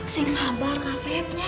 yang sabar kak seppnya